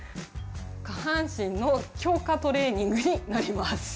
下半身の強化トレーニングになります。